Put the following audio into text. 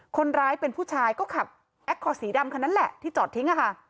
คนร้ายเป็นผู้ชายก็ขับแอคคอร์สีดำคันนั้นแหละที่จอดทิ้งค่ะ